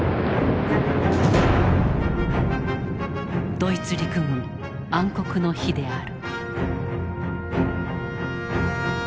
ドイツ陸軍暗黒の日である。